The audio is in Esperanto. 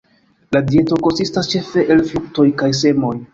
La dieto konsistas ĉefe el fruktoj kaj semoj.